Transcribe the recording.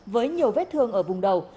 với nhiều vết thương ở vùng đầu